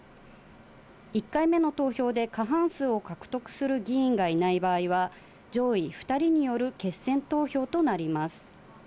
１回目の投票で過半数を獲得する議員がいない場合は、上位２人による決選投票となります。